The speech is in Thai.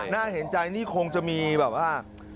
น่าเห็นใจนี่คงจะมีแบบว่า